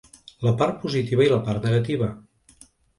La part positiva i la negativa.